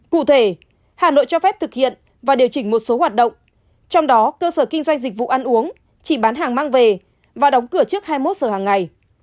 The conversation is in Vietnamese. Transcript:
cụ thể hà nội cho phép thực hiện và điều chỉnh một số hoạt động trong đó cơ sở kinh doanh dịch vụ ăn uống chỉ bán hàng mang về và đóng cửa trước hai mươi một giờ hàng ngày